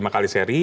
lima kali seri